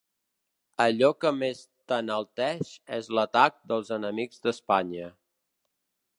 Allò que més t’enalteix és l’atac dels enemics d’Espanya.